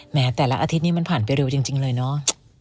แต่ละอาทิตย์นี้มันผ่านไปเร็วจริงเลยเนาะ